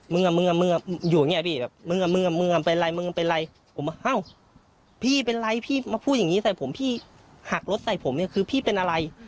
มึงมึงอยู่อย่างเงี้พี่แบบมึงกับมึงมึงเป็นอะไรมึงเป็นไรผมเอ้าพี่เป็นไรพี่มาพูดอย่างนี้ใส่ผมพี่หักรถใส่ผมเนี่ยคือพี่เป็นอะไร